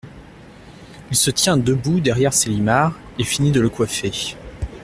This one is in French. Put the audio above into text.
Il se tient debout derrière Célimare et finit de le coiffer.